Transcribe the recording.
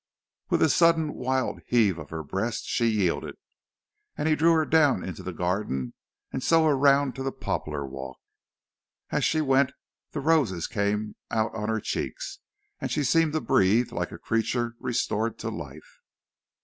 With a sudden wild heave of her breast, she yielded, and he drew her down into the garden and so around to the poplar walk. As she went the roses came out on her cheeks, and she seemed to breathe like a creature restored to life.